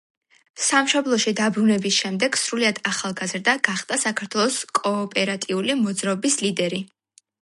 სამშობლოში დაბრუნების შემდეგ, სრულიად ახალგაზრდა, გახდა საქართველოს კოოპერატიული მოძრაობის ლიდერი.